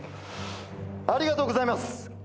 ありがとうございます！